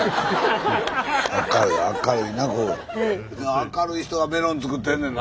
明るい人がメロン作ってんねんな